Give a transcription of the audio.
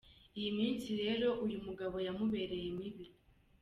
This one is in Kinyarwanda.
Iyi minsi rero uyu mugabo yamubereye mibi.